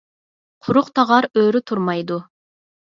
قۇرۇق تاغار ئۆرە تۇرمايدۇ.